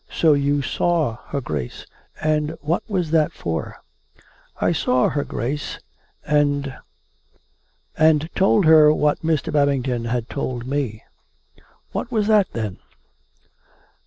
... So you saw her Grace ? And what was that for ?"" I saw her Grace ... and ... and told her what Mr. Babington had told me." " What was that, then